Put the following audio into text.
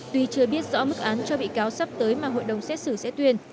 tuy chưa biết rõ mức án cho bị cáo sắp tới mà hội đồng xét xử sẽ tuyên